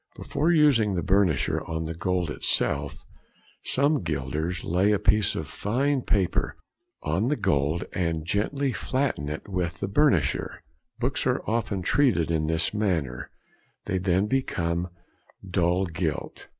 ] Before using the burnisher on the gold itself, some gilders |81| lay a piece of fine paper on the gold and gently flatten it with the burnisher. Books are often treated in this manner, they then become "dull gilt."